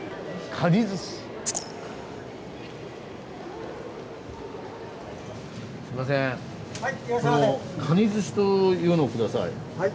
カニ寿しというのを下さい。